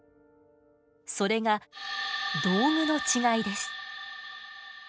それが道具の違いです。